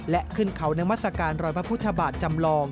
และขึ้นเขานามัศกาลรอยพระพุทธบาทจำลอง